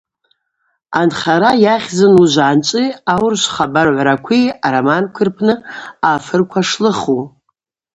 Анхара йахьзын Уыжвгӏанчӏви аурышв хабаргӏвракви ароманкви рпны афырква шлыху.